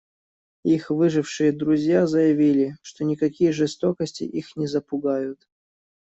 Их выжившие друзья заявили, что никакие жестокости их не запугают.